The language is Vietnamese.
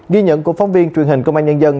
ghi nhận của phóng viên truyền hình công an nhân dân